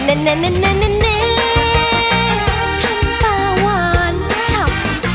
เหน่เหน่เหน่ท่านป่าวรชัก